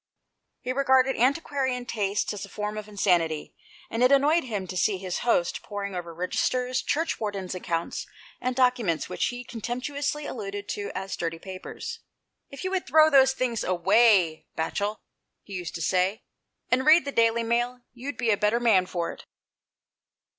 He regarded antiquarian tastes as a form of insanity, and it annoyed him to see his host poring over registers, churchwardens' accounts, and documents which he con temptuously alluded to as " dirty papers." " If you would throw those things away, Batchel," he used to say, " and read the Daily Mail, you'd be a better man for it."